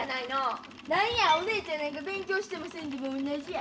何やお姉ちゃんなんか勉強してもせんでも同じや。